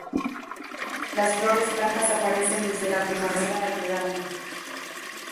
Las flores blancas aparecen desde la primavera al verano.